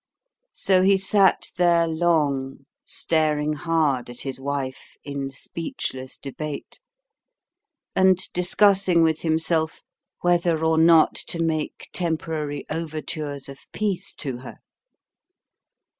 So he sat there long, staring hard at his wife in speechless debate, and discussing with himself whether or not to make temporary overtures of peace to her.